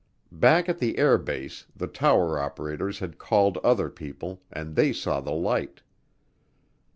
Back at the air base the tower operators had called other people and they saw the light.